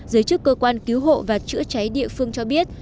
giới chức cơ quan cứu hộ và chữa cháy địa phương cho biết